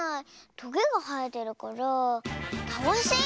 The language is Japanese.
トゲがはえてるからたわし？